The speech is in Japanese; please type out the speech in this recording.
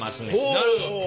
なるほど。